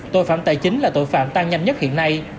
tội phạm tài chính là tội phạm tăng nhanh nhất hiện nay